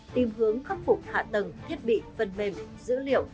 tìm hướng khắc phục hạ tầng thiết bị phần mềm dữ liệu